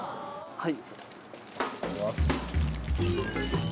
はい。